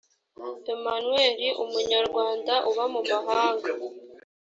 emmanuel umunyarwanda uba mumahanga